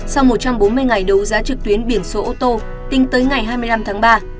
sau một trăm bốn mươi ngày đấu giá trực tuyến biển số ô tô tính tới ngày hai mươi năm tháng ba